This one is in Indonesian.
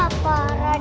gak parah ya lo